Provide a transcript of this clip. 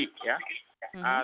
tapi memunculkan isu